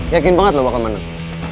yakin banget loh bakal menang